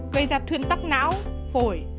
gây ra thuyên tắc não phổi